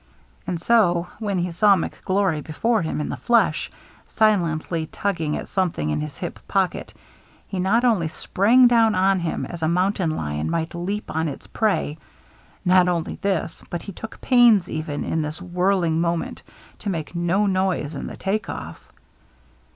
And so, when he saw McGlory before him 330 THE MERRT JXXE in the flesh, silently tugging at something in his hip pocket, he not only sprang down on him as a mountain lion might leap on its prey, — not only this, but he took pains, even in this whirling moment, to make no noise in the take off.